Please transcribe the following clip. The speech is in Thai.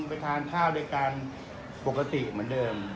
ไปทานข้าวด้วยกันปกติเหมือนเดิม